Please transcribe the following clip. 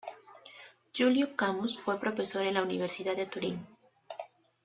Giulio Camus fue profesor en la Universidad de Turín.